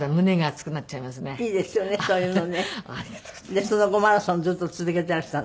でその後マラソンずっと続けていらしたの？